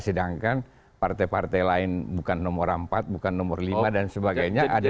sedangkan partai partai lain bukan nomor empat bukan nomor lima dan sebagainya